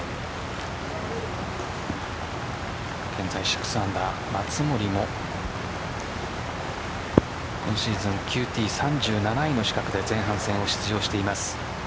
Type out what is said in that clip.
現在６アンダー松森も今シーズンＱＴ３７位の資格で前半戦を出場しています。